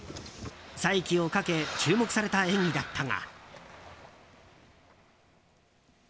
再起をかけ注目された演技だったが。